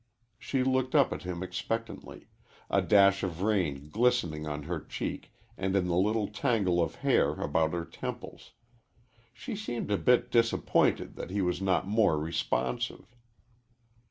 She looked up at him expectantly a dash of rain glistening on her cheek and in the little tangle of hair about her temples. She seemed a bit disappointed that he was not more responsive.